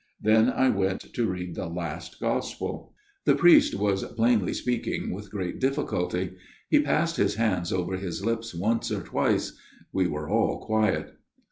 " Then I went to read the Last Gospel." The priest was plainly speaking with great difficulty ; he passed his hands over his lips once or twice. We were all quiet.